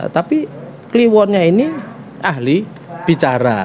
tapi kliwonnya ini ahli bicara